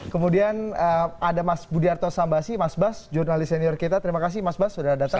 kemudian ada mas budiarto sambasi mas bas jurnalis senior kita terima kasih mas bas sudah datang